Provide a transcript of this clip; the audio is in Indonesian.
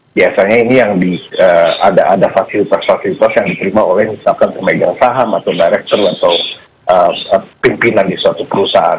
biasanya ini yang ada fasilitas fasilitas yang diterima oleh misalkan pemegang saham atau director atau pimpinan di suatu perusahaan